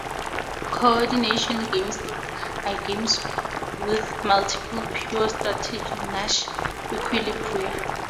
Coordination games are games with multiple pure strategy Nash equilibria.